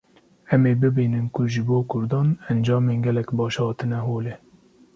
em ê bibînin ku ji bo Kurdan encamên gelek baş hatine holê